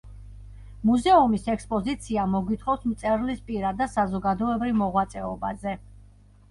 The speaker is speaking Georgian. მუზეუმის ექსპოზიცია მოგვითხრობს მწერლის პირად და საზოგადოებრივ მოღვაწეობაზე.